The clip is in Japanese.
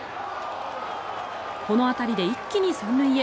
この当たりで一気に３塁へ。